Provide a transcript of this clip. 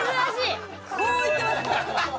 こういってますね。